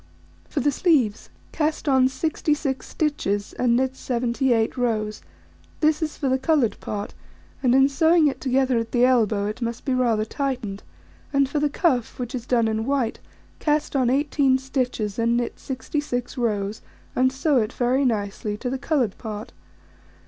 For the sleeves: Cast on 66 stitches, and knit 78 rows: this is for the coloured part, and in sewing it together at the elbow, it must be rather tightened; and for the cuff, which is done in white, cast on 18 stitches and knit 66 rows, and sew it very nicely to the coloured part.